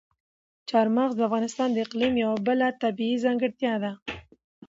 چار مغز د افغانستان د اقلیم یوه بله طبیعي ځانګړتیا ده.